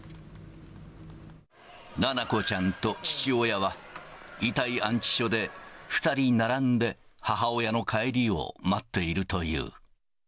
七菜子ちゃんと父親は、遺体安置所で、２人並んで母親の帰りを待っているという。